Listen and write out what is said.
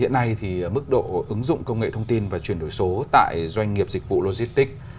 hiện nay thì mức độ ứng dụng công nghệ thông tin và chuyển đổi số tại doanh nghiệp dịch vụ logistics